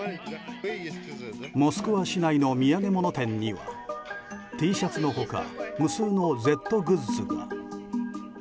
モスクワ市内の土産物店にはＴシャツの他無数のＺグッズが。